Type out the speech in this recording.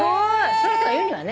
その人が言うにはね。